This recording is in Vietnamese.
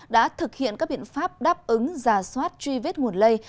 đã thực hiện các biện pháp đáp ứng giả soát truy vết nguồn lây